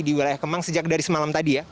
di wilayah kemang sejak dari semalam tadi ya